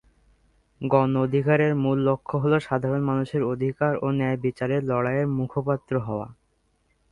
গণ অধিকারের মূল লক্ষ্য হ'ল সাধারণ মানুষের অধিকার ও ন্যায়বিচারের লড়াইয়ের মুখপত্র হওয়া।